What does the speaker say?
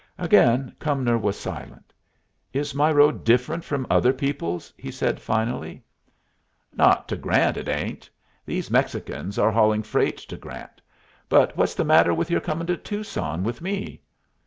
Again Cumnor was silent. "Is my road different from other people's?" he said, finally. "Not to Grant, it ain't. These Mexicans are hauling freight to Grant. But what's the matter with your coming to Tucson with me?"